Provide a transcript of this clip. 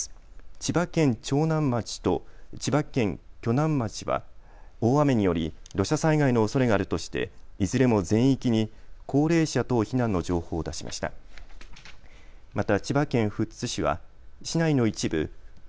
千葉県長南町と千葉県鋸南町は大雨により土砂災害のおそれがあるとして、いずれも全域に高齢者等避難の情報を出しました。